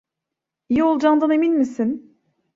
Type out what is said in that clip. İyi olacağından emin misin?